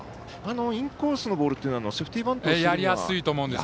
インコースのボールはセーフティーバントというのは？